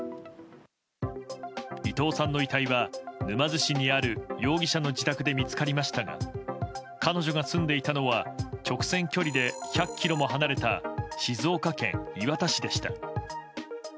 伊藤さんの遺体は沼津市にある容疑者の自宅で見つかりましたが彼女が住んでいたのは直線距離で１００ｋｍも離れた静岡県磐田市でした。